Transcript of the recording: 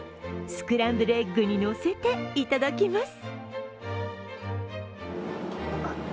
スクランブルエッグにのせて、いただきます。